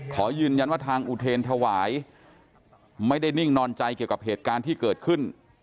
ขอยืนยันว่าทางอุเทรนธวายไม่ได้นิ่งนอนใจเกี่ยวกับเหตุการณ์ที่เกิดขึ้น